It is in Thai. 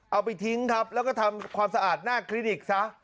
เอาไปทิ้งครับแล้วก็ทำความสะอาดหน้าคลินิกซะ